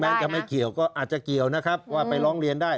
ลดตู้ก็อาจจะเกี่ยวนะครับว่าไปร้องเรียนได้